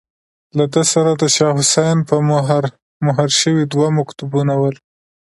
له ده سره د شاه حسين په مهر، مهر شوي دوه مکتوبونه ول.